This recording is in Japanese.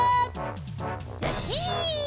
ずっしん！